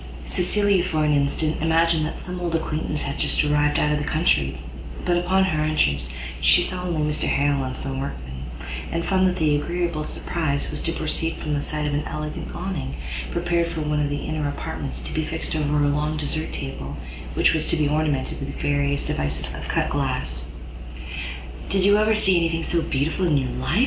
Cecilia, for an instant, imagined that some old acquaintance was just arrived out of the country; but, upon her entrance, she saw only Mr Harrel and some workmen, and found that the agreeable surprise was to proceed from the sight of an elegant Awning, prepared for one of the inner apartments, to be fixed over a long desert table, which was to be ornamented with various devices of cut glass. "Did you ever see any thing so beautiful in your life?"